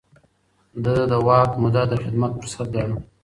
ده د واک موده د خدمت فرصت ګاڼه.